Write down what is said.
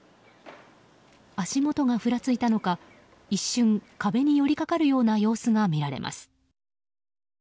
足元がふらついたのか一瞬、壁に寄り掛かるような様子が見られます。